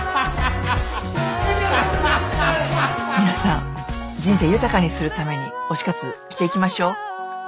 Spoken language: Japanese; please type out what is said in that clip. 皆さん人生豊かにするために推し活していきましょう！